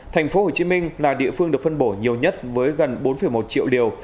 tp hcm là địa phương được phân bổ nhiều nhất với gần bốn một triệu liều